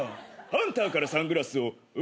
ハンターからサングラスを奪い取れ！